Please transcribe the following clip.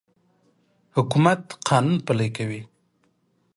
حکومت قانون پلی کوي.